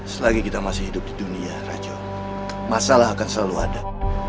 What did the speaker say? selagi kita masih hidup di dunia raja masalah akan selalu ada